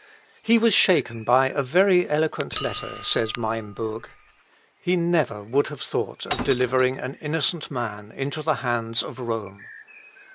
"He was shaken by a very eloquent letter," says Maimbourg. He never would have thought of delivering an innocent man into the hands of Rome.